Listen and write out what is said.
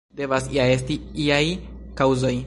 Devas ja esti iaj kaŭzoj.